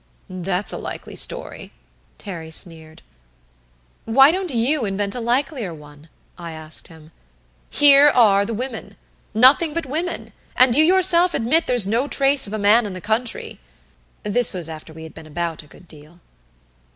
"That's a likely story," Terry sneered. "Why don't you invent a likelier one?" I asked him. "Here are the women nothing but women, and you yourself admit there's no trace of a man in the country." This was after we had been about a good deal.